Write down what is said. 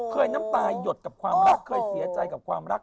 น้ำตายหยดกับความรักเคยเสียใจกับความรัก